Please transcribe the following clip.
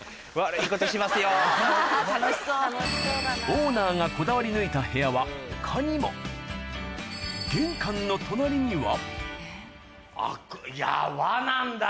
オーナーがこだわり抜いた部屋は他にもいや！